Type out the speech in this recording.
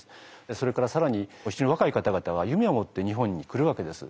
それから更に非常に若い方々は夢を持って日本に来るわけです。